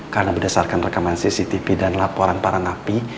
karena berdasarkan rekaman cctv dan laporan para nafi